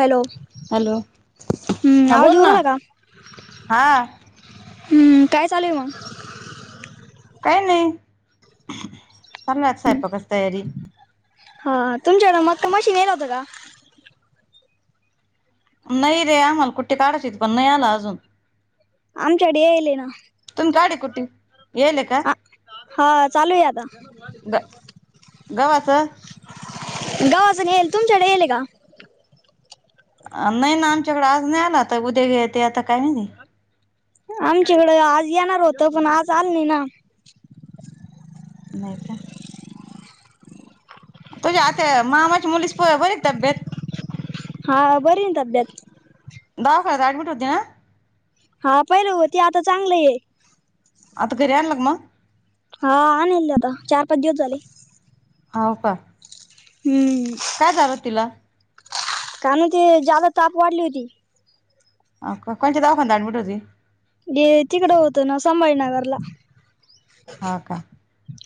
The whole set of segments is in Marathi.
हॅलो हॅलो हम्म हा आवाज बोल येऊ ना. राहिला का हां... हम्म काय चालूये मग?? काय नाही. करणार आता स्वयपाकाची तयारी. हा तुमच्याकडं मक्का मशीन येल होतं का?? नाही रे आम्हाला कुट्टे काढयचे त पण नाही आल अजून. आमच्याकडे याईले ना. तुम्ही काढी कुट्टी येले का अ हां चालूये आता. ग गव्हाचं?? गव्हाचं नाही याले तुमच्याकडे यायले का?? नाही ना आमच्याकडे आज नाही आला आता उद्या येते काय माहि आमच्याकडं आज येणार होतं पण आज आलं नाही ना. नाही का? तुझ्या आता मामाच्या मुलीची बरी आहे का तब्येत?? हा बरी आहे ना तब्येत. दवाखान्यात ऍडमिट होती ना?? हा पहिल होती आता चांगलीये. आता घरी आणलं का मग?? हा आणलये आता चार पाच दिवस झाले. हाव का?? हम्म. काय झालं तिला? काय माहिते, जादा ताप वाढली होती. कोणत्या दवाखान्यात ऍडमिट होती? ते तिकडं होतं ना, संभाजीनगरला हो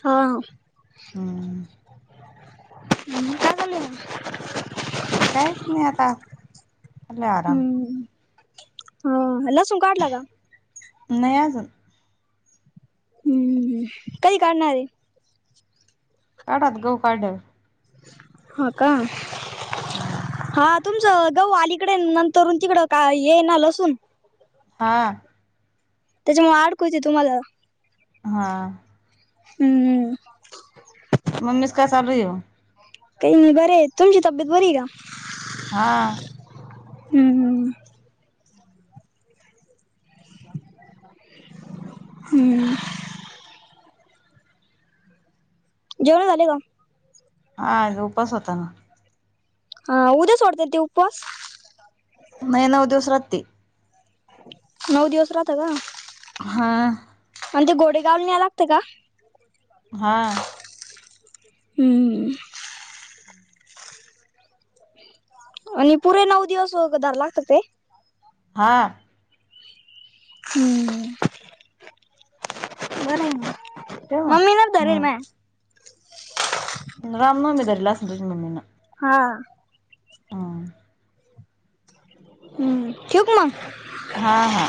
हा. हंम. हं काय चाललंय मग? काहीच नही आता. चाललाय आराम हम्म हा लसूण काढला का? नई आजून. हम्म, कधी काढणार ये. काढू आता, गहू काढल्यावर. हो का? हम्म हा तुमचं गहू अलीकडे अन, नंतरहुन तिकडं काय हे येना लसुण? हा त्याच्यामुळे अडकुजे तुम्हाला. हा हम्म. मम्मीचं काय चालूये ओ? त्यायनी बरे, तुमची तब्येत बरीये का? हा. हम्मम्. हम्म. जेवणं झाले का? हा, आज उपास होता ना. हा उद्या सोडता ते उपवास? महे नऊ दिवस राहते. नऊ दिवस राहता का? हा. अन ते गोडेगावला न्याला लागते का? हा. हूम्म. आणि पुरे नऊ दिवस धराला लागते ते? हा. हम्म. बरंय मग. ठेव मग मम्मीनेच धारेले माह्या. राम नवमी धरेल असेल तुझ्या मम्मीनं. हा. हम्म हुं, ठेवू का मग? हा हा.